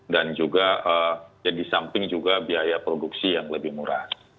dan juga jadi samping juga biaya produksi yang lebih murah